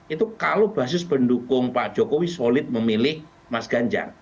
itu kalau basis pendukung pak jokowi solid memilih mas ganjar